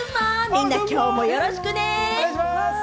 みんな、きょうもよろしくね。